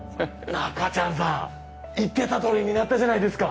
ナカちゃんさん言ってたとおりになったじゃないですか！